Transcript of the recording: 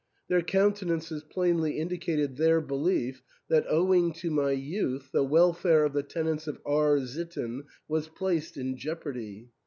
Their counte nances plainly indicated their belief that, owii^ to my youth, the welfare of the tenants of R — sitten was placed in jeopardy.